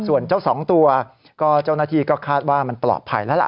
ส่วนเจ้าสองตัวก็เจ้าหน้าที่ก็คาดว่ามันปลอดภัยแล้วล่ะ